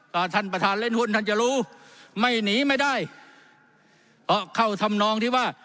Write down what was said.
ถ้าท่านประธานเล่นหุ้นท่านจะรู้ไม่หนีไม่ได้เพราะเข้าทำนองที่ว่า